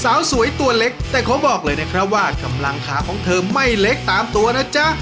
สาวสวยตัวเล็กแต่ขอบอกเลยนะครับว่ากำลังขาของเธอไม่เล็กตามตัวนะจ๊ะ